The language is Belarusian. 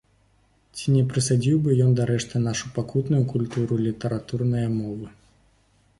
Ці не прысадзіў бы ён дарэшты нашу пакутную культуру літаратурнае мовы?